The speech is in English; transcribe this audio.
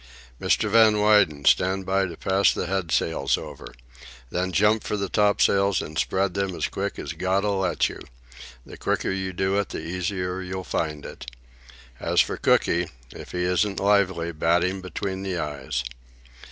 "Mr. Van Weyden, stand by to pass the head sails over. Then jump for the topsails and spread them quick as God'll let you—the quicker you do it the easier you'll find it. As for Cooky, if he isn't lively bat him between the eyes."